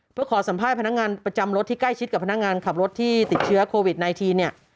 เพื่อขอสัมภาษณ์พนักงานประจำรถที่ใกล้ชิดกับพนักงานขับรถที่ติดเชื้อโควิด๑๙เนี่ย